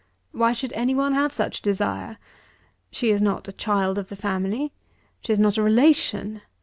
Why should any one have such desire? She is not a child of the family. She is not a relation.